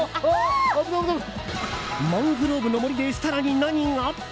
マングローブの森で設楽に何が？